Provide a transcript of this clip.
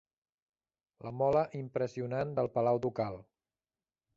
La mola impressionant del palau ducal.